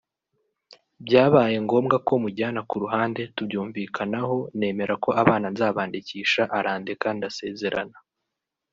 byabaye ngombwa ko mujyana ku ruhande tubyumvikanaho nemera ko abana nzabandikisha arandeka ndasezerana